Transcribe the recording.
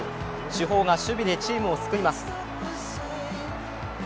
主砲が守備でチームを救います。